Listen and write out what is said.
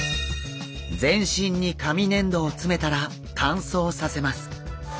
全身に紙粘土を詰めたら乾燥させます。